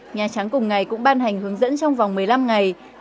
nhà trắng cùng ngày cũng ban hành hướng dẫn trong vòng một mươi năm ngày